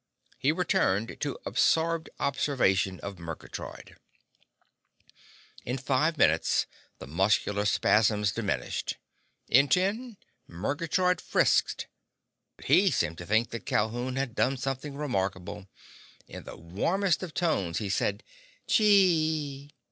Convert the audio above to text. He returned to absorbed observation of Murgatroyd. In five minutes the muscular spasms diminished. In ten, Murgatroyd frisked. But he seemed to think that Calhoun had done something remarkable. In the warmest of tones he said: "Chee!"